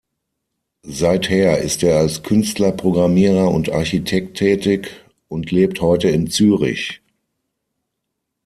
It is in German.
Seither ist er als Künstler, Programmierer und Architekt tätig und lebt heute in Zürich.